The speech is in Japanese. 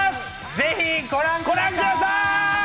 ぜひご覧ください。